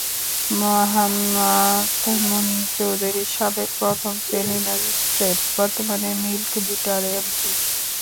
মোহাম্মাদ মুনীর চৌধুরী সাবেক প্রথম শ্রেণীর ম্যাজিস্ট্রেট, বর্তমানে মিল্ক ভিটার এমডি।